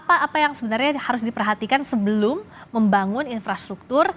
apa yang sebenarnya harus diperhatikan sebelum membangun infrastruktur